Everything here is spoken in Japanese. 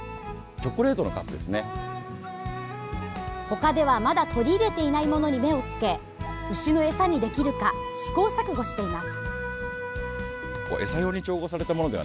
他では、まだ取り入れていないものに目をつけ牛のエサにできるか試行錯誤しています。